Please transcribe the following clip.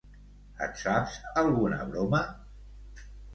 Et saps alguna broma?